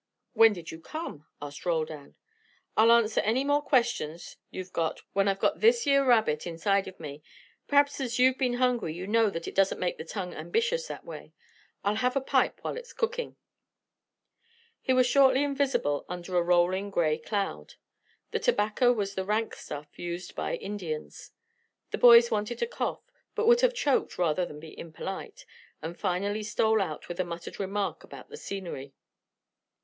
"When did you come?" asked Roldan. "I'll answer any more questions you've got when I've got this yere rabbit inside of me. P'r'aps as you've been hungry you know that it doesn't make the tongue ambitious that way. I'll have a pipe while it's cookin'." He was shortly invisible under a rolling grey cloud. The tobacco was the rank stuff used by the Indians. The boys wanted to cough, but would have choked rather than be impolite, and finally stole out with a muttered remark about the scenery.